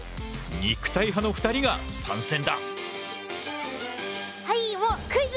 肉体派の２人が参戦だ！